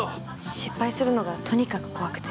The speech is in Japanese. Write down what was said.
失敗するのがとにかく怖くて。